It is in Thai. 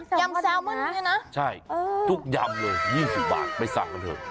ฮะยำแซ่วเมื่อกี้นะใช่ทุกยำเลย๒๐บาทไปสั่งกันเถอะ